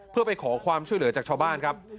เพื่อไปขอความช่วยเหลือจากชาวบ้านครับ